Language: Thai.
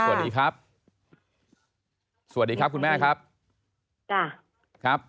สวัสดีครับสวัสดีครับคุณแม่ครับ